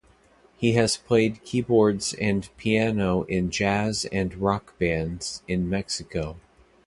He has played keyboards and piano in jazz and rock bands in Mexico.